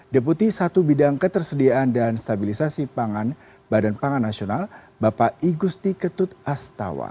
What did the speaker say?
deputi satu bidang ketersediaan dan stabilisasi pangan badan pangan nasional bapak igusti ketut astawa